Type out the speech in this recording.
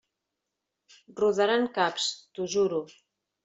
Rodaran caps, t'ho juro!